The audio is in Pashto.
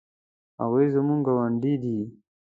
هغوی زموږ ګاونډي دي